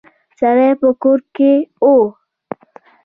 سړی په کور کې و.